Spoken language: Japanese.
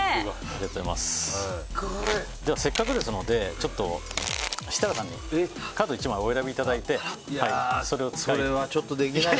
せっかくですので、設楽さんにカード１枚お選びいただいてそれはちょっとできない。